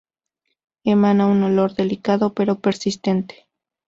Emana un olor delicado pero persistente.